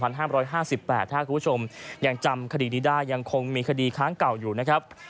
ถ้าคุณผู้ชมยังจำคดีนี้ได้ยังคงมีคดีค้างเก่าอยู่นะครับ